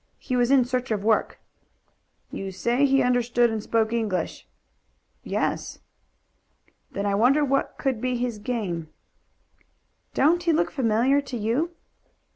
He was in search of work." "You say he understood and spoke English?" "Yes." "Then I wonder what could be his game." "Don't he look familiar to you?"